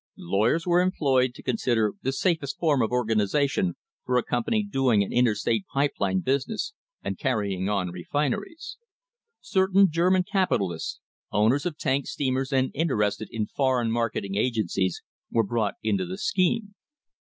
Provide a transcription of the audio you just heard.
Lawyers were employed to con sider the safest form of organisation for a company doing an interstate pipe line business and carrying on refineries. Certain German capitalists, owners of tank steamers and in terested in foreign marketing agencies, were brought into the scheme.